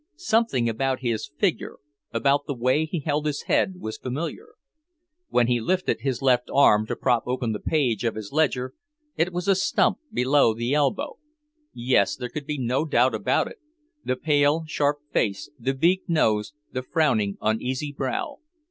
Something about his figure, about the way he held his head, was familiar. When he lifted his left arm to prop open the page of his ledger, it was a stump below the elbow. Yes, there could be no doubt about it; the pale, sharp face, the beak nose, the frowning, uneasy brow.